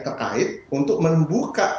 terkait untuk membuka